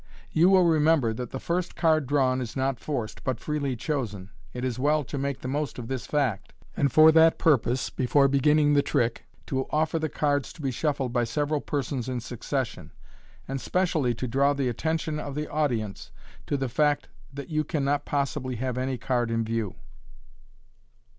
You will remember that the first card drawn is not forced, but freely chosen. It is well to make the most of this fact, and for that purpose, before beginning the trick, to offer the cards to be shuffled by several persons in succession, and specially to draw the attention of the audience to the fact that yoti MODERN MAGIC cannot possibly have any card in view.